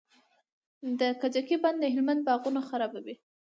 د کجکي بند د هلمند باغونه خړوبوي.